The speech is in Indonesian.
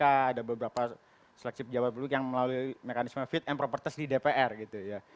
ada beberapa seleksi pejabat publik yang melalui mekanisme fit and proper test di dpr gitu ya